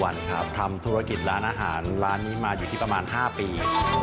ร้านนี้มาอยู่ที่ประมาณ๕ปี